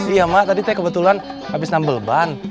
iya mak tadi saya kebetulan habis nambel ban